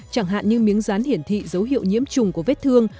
chẳng hạn như miếng rán hiển thị dấu hiệu nhiễm trùng của vết thương